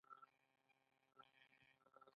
یا به په ځانګړو ودانیو کې ساتل کېدل.